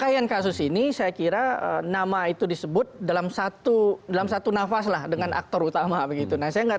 ini saya kira nama itu disebut dalam satu dalam satu nafas lah dengan aktor utama begitu saya nggak